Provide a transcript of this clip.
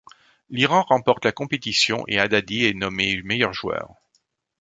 L'Iran remporte la compétition et Haddadi en est nommé meilleur joueur.